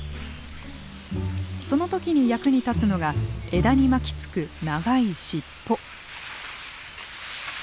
その時に役に立つのが枝に巻きつく長い尻尾。